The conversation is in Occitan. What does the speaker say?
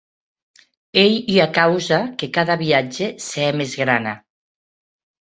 Ei ua causa que cada viatge se hè mès grana.